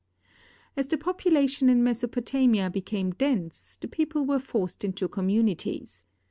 As the population in Mesopotamia became dense, the people were forced into communities.